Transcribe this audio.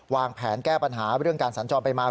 วางแผนแก้ปัญหาเรื่องการสัญจรไปมา